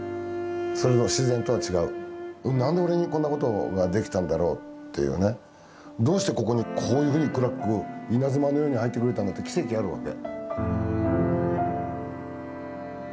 なんで俺にこんなことができたんだろうっていうねどうしてここにこういうふうにクラック稲妻のように入ってくれたんだって奇跡があるわけ。